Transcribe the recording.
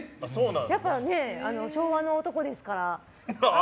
やっぱ、昭和の男ですから。